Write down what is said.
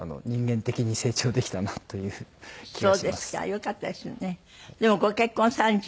よかったですよね。